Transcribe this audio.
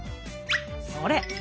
それ！